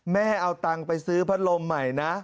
ให้เอาตังค์ไปซื้อพัดลมใหม่นะ